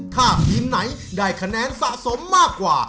ถ้าทีมไหนได้คะแนนสะสมมากกว่า